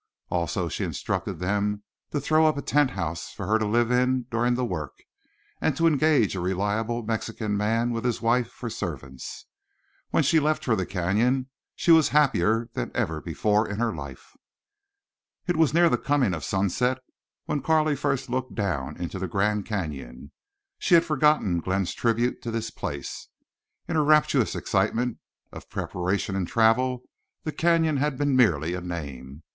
Also she instructed them to throw up a tent house for her to live in during the work, and to engage a reliable Mexican man with his wife for servants. When she left for the Canyon she was happier than ever before in her life. It was near the coming of sunset when Carley first looked down into the Grand Canyon. She had forgotten Glenn's tribute to this place. In her rapturous excitement of preparation and travel the Canyon had been merely a name.